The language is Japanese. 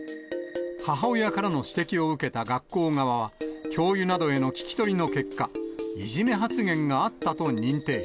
母親からの指摘を受けた学校側は、教諭などへの聞き取りの結果、いじめ発言があったと認定。